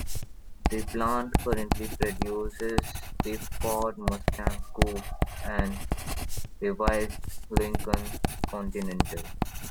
The plant currently produces the Ford Mustang coupe and the revived Lincoln Continental.